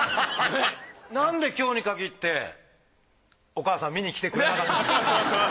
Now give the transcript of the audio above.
なんで今日に限ってお母さん見に来てくれなかったんですか？